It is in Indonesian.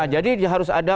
jadi dia harus ada